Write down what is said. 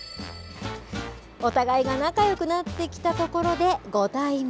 お互いが仲良くなってきたところでご対面。